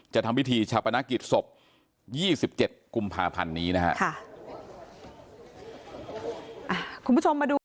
ทำพิธีชาปนกิจศพ๒๗กุมภาพันธ์นี้นะฮะ